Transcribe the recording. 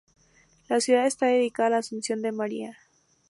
La ciudad está dedicada a la Asunción de María.